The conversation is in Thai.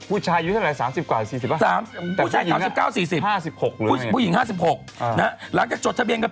ผู้ชายอยู่เท่าไหร่๓๐กว่าหรือ๔๐กว่า